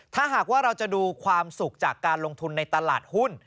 ถ้าหากว่าเราจะดูความสุขจากการลงทุนในตลาดหุ้น